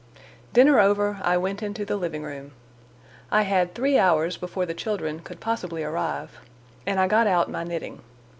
Dinner over I went into the living room. I had three hours before the children could possibly arrive, and I got out my knitting.